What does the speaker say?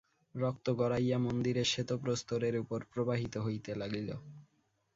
রক্ত গড়াইয়া মন্দিরের শ্বেতপ্রস্তরের উপর প্রবাহিত হইতে লাগিল।